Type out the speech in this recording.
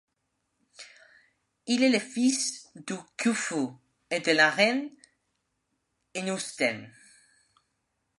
Il est le fils du Khoufou et de la reine Hénoutsen.